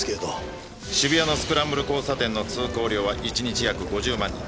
渋谷のスクランブル交差点の通行量は１日約５０万人。